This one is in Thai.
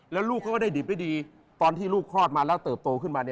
แล้วลูกเขาก็ได้ดิบได้ดีตอนที่ลูกคลอดมาแล้วเติบโตขึ้นมา